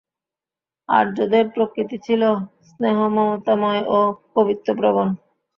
আর্যদের প্রকৃতি ছিল স্নেহমমতাময় ও কবিত্বপ্রবণ।